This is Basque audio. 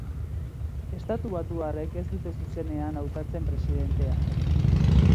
Estatubatuarrek ez dute zuzenean hautatzen presidentea.